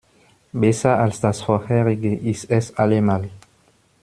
Besser als das vorherige ist es allemal.